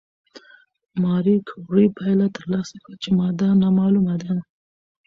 ماري کوري پایله ترلاسه کړه چې ماده نامعلومه ده.